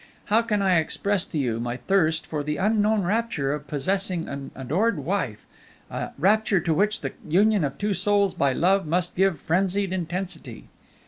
How can I express to you my thirst for the unknown rapture of possessing an adored wife, a rapture to which the union of two souls by love must give frenzied intensity.